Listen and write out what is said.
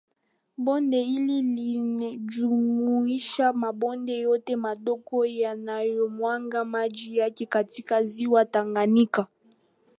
Bonde hili linajumuisha mabonde yote madogo yanayomwaga maji yake katika ziwa Tanganyika